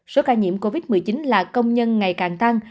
số ca nhiễm covid một mươi chín là công nhân ngày càng tăng